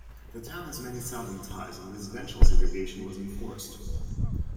The town had many Southern ties, and residential segregation was enforced.